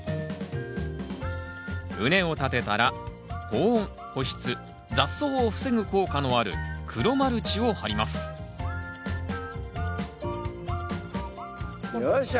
畝を立てたら保温保湿雑草を防ぐ効果のある黒マルチを張りますよっしゃ！